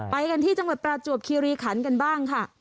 ไปกันที่จังหวัดประจวบคีรีขันกันบ้างค่ะ